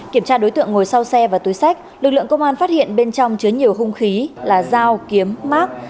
kiểm tra đối tượng ngồi sau xe và túi sách lực lượng công an phát hiện bên trong chứa nhiều hung khí là dao kiếm mát